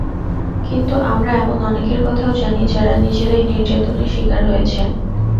কিন্তু আমরা এমন অনেকের কথাও জানি, যাঁরা নিজেরাই নির্যাতনের শিকার হয়েছেন।